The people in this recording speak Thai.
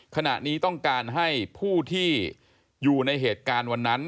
ขณะนี้ต้องการให้ผู้ที่อยู่ในเหตุการณ์วันนั้น